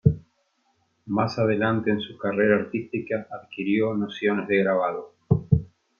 Más adelante en su carrera artística adquirió nociones de grabado.